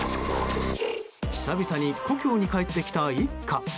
久々に故郷に帰ってきた一家。